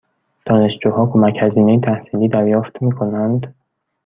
دانشجوها کمک هزینه تحصیلی دریافت می کنند؟